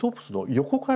横から。